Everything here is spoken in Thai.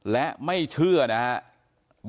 และไม่เชื่อนะครับ